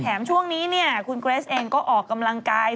แถมช่วงนี้คุณเกรสเองก็ออกกำลังกาย